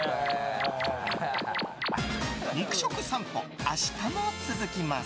肉食さんぽ明日も続きます！